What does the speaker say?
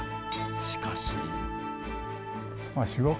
しかし。